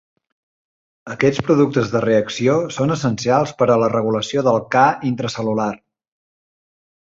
Aquests productes de reacció són essencials per a la regulació del Ca intracel·lular.